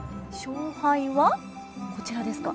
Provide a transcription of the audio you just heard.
勝敗はこちらですか。